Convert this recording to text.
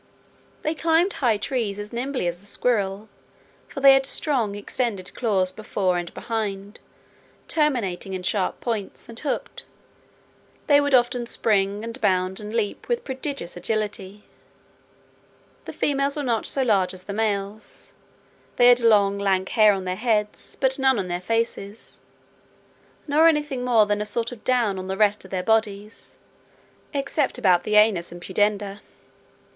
They climbed high trees as nimbly as a squirrel, for they had strong extended claws before and behind, terminating in sharp points, and hooked. They would often spring, and bound, and leap, with prodigious agility. The females were not so large as the males; they had long lank hair on their heads, but none on their faces, nor any thing more than a sort of down on the rest of their bodies, except about the anus and pudenda.